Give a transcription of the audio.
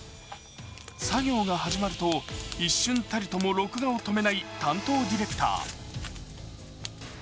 作業が始まると一瞬たりとも録画を止めない担当ディレクター。